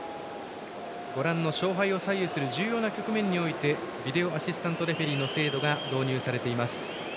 ご覧の勝敗を左右する重要な局面についてビデオ・アシスタント・レフェリーが導入されています。